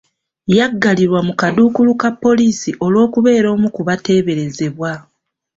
Yaggalirwa mu kaduukulu ka poliisi olw'okubeera omu ku bateeberezebwa.